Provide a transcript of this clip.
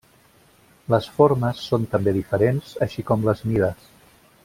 Les formes són també diferents així com les mides.